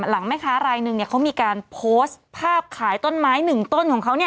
หลังแม่ค้ารายหนึ่งเขามีการโพสต์ภาพขายต้นไม้หนึ่งต้นของเขา